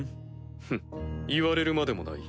フッ言われるまでもない。